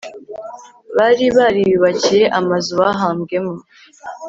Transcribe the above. bari bariyubakiye amazu bahambwemo